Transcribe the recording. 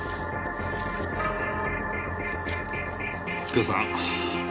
右京さん。